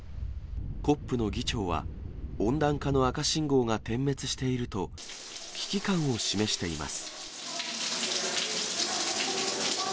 ＣＯＰの議長は、温暖化の赤信号が点滅していると、危機感を示しています。